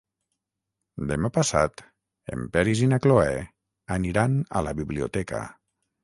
Demà passat en Peris i na Cloè aniran a la biblioteca.